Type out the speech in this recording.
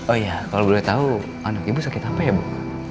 oh iya kalau boleh tahu anak ibu sakit apa ya bu